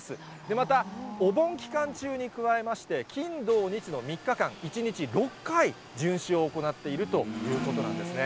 またお盆期間中に加えまして、金、土、日の３日間、１日６回巡視を行っているということなんですね。